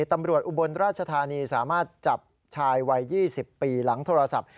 อุบลราชธานีสามารถจับชายวัย๒๐ปีหลังโทรศัพท์